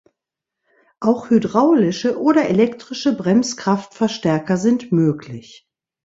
Auch hydraulische oder elektrische Bremskraftverstärker sind möglich.